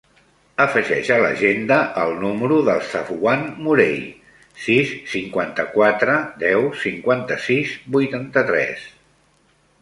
Afegeix a l'agenda el número del Safwan Morey: sis, cinquanta-quatre, deu, cinquanta-sis, vuitanta-tres.